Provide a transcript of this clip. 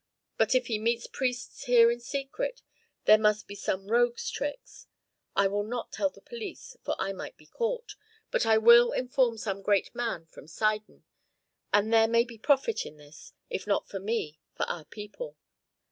But if he meets priests here in secret, there must be some rogue's tricks. I will not tell the police, for I might be caught. But I will inform some great man from Sidon, for there may be profit in this, if not for me, for our people."